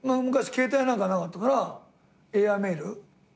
昔携帯なんかなかったからエアメール。